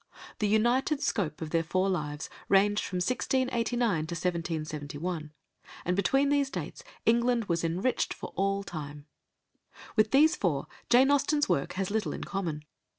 The united scope of their four lives ranged from 1689 to 1771, and between these dates England was enriched for all time. With these four Jane Austen's work has little in common.